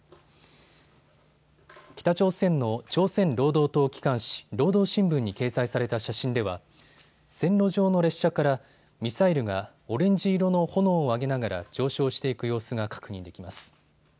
北朝鮮の朝鮮労働党機関紙、労働新聞に掲載された写真では線路上の列車からミサイルがオレンジ色の炎を上げながら上昇していく様子が確認できます。